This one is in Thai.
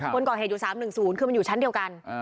คนก่อเหตุอยู่๓๑๐คือมันอยู่ชั้นเดียวกัน